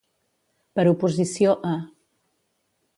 Per oposició a.